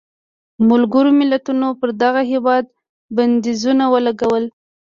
ملګرو ملتونو پر دغه هېواد بندیزونه ولګول.